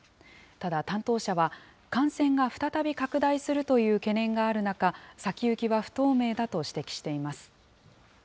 ただ、担当者は感染が再び拡大するという懸念がある中、先行きは不透明だと指摘しています。